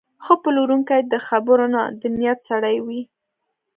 ښه پلورونکی د خبرو نه، د نیت سړی وي.